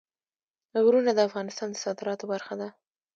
غرونه د افغانستان د صادراتو برخه ده.